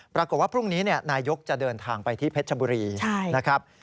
ปรากฏว่าพรุ่งนี้นายกจะเดินทางไปที่เพชรชบุรีนะครับ